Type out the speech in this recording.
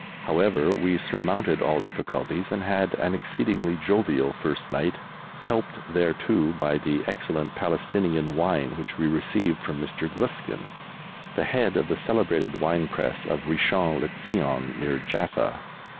However, we surmounted all difficulties, and had an exceedingly jovial first night, helped thereto by the excellent Palestinian wine which we received from Mr. Gluskin, the head of the celebrated wine press of Richon le Zion, near Jaffa.